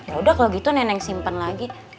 yaudah kalau gitu neneng simpen lagi